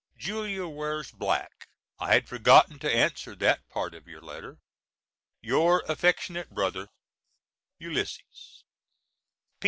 Julia wears black. I had forgotten to answer that part of your letter. Your affectionate Brother, ULYSS.